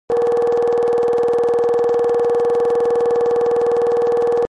Аращ-тӀэ, уи бзэм ущыхуимытыжкӀэ.